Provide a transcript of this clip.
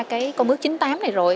cái công ước chín mươi tám này rồi